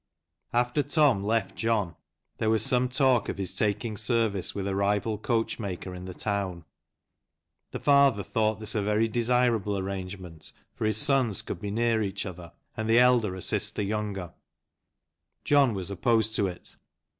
After Tom left John there was some talk of his taking service with a rival coachmaker in the town. The father thought this a very desirable arrangement, for his sons could be near each other, and the elder assist the younger. John was opposed to it.